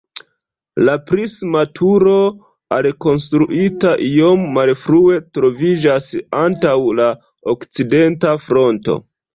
La prisma turo, alkonstruita iom malfrue, troviĝas antaŭ la okcidenta fronto.